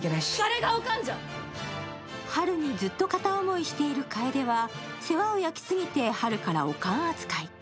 春にずっと片思いしている楓は世話を焼きすぎて春からオカン扱い。